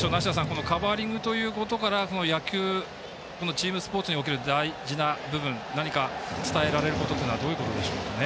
このカバーリングということから野球、チームスポーツにおける大事な部分何か、伝えられることというのはどういうことでしょうか。